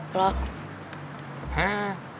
へえ。